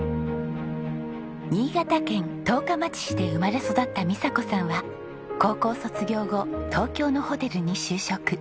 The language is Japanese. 新潟県十日町市で生まれ育った美佐子さんは高校卒業後東京のホテルに就職。